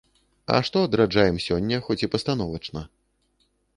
А што адраджаем сёння, хоць і пастановачна?